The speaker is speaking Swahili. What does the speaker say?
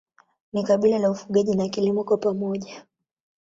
Ni kabila la ufugaji na kilimo kwa pamoja.